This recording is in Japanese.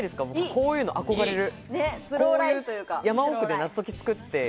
こういうの憧れる。